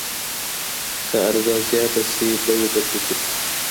که عرضه زياته سي بيې به ټيټې سي.